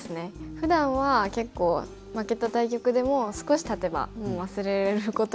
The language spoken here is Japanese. ふだんは結構負けた対局でも少したてばもう忘れることができるんですけど。